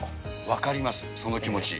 分かります、その気持ち。